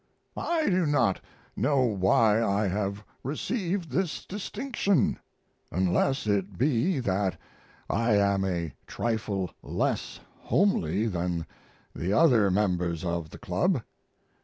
] I do not know why I have received this distinction, unless it be that I am a trifle less homely than the other members of the club.